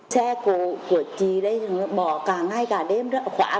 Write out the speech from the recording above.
xe của chị bỏ cả ngày cả đêm đó